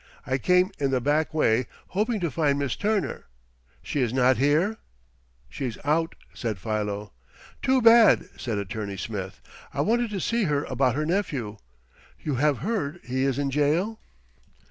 "I came in the back way, hoping to find Miss Turner. She is not here?" "She's out," said Philo. "Too bad!" said Attorney Smith. "I wanted to see her about her nephew. You have heard he is in jail?"